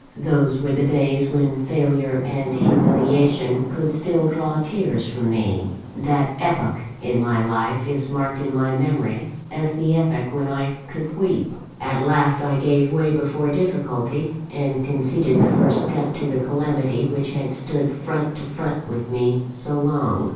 Those were the days when failure and humiliation could still draw tears from me: that epoch in my life is marked in my memory as the epoch when I could weep. "At last, I gave way before difficulty, and conceded the first step to the calamity which had stood front to front with me so long.